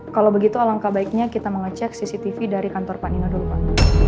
kalau begitu alangkah baiknya kita mengecek cctv dari kantor pak nino dulu pak